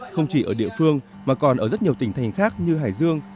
không chỉ ở địa phương mà còn ở rất nhiều tỉnh thành khác như hải dương